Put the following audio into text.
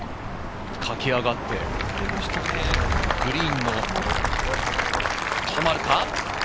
駆け上がって、グリーンに止まるか？